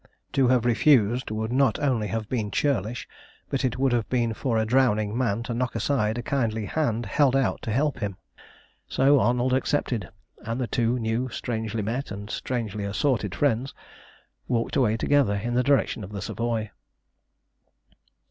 To have refused would not only have been churlish, but it would have been for a drowning man to knock aside a kindly hand held out to help him; so Arnold accepted, and the two new strangely met and strangely assorted friends walked away together in the direction of the Savoy.